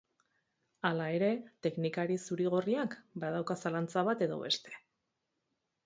Hala ere, teknikari zuri-gorriak badauka zalantza bat edo beste.